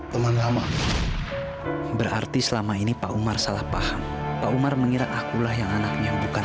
pengalaman berarti selama ini pak umar salah paham pak umar mengira akulah yang anaknya bukan